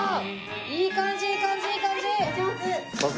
いい感じいい感じいい感じ！